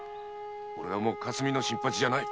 もう「霞の新八」じゃない。